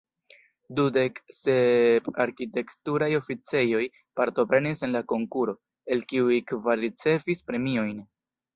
Dudek sep arkitekturaj oficejoj partoprenis en la konkuro, el kiuj kvar ricevis premiojn.